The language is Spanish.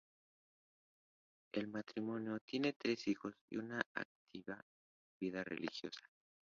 El matrimonio tiene tres hijos y una activa vida religiosa.